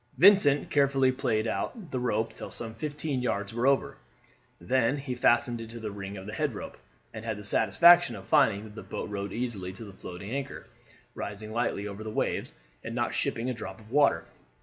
Vincent carefully played out the rope till some fifteen yards were over, then he fastened it to the ring of the head rope, and had the satisfaction of finding that the boat rode easily to the floating anchor, rising lightly over the waves, and not shipping a drop of water.